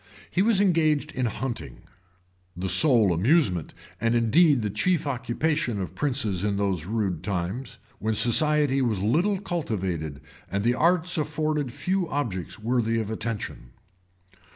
He was engaged in hunting, the sole amusement, and indeed the chief occupation of princes in those rude times, when society was little cultivated and the arts afforded few objects worthy of attention.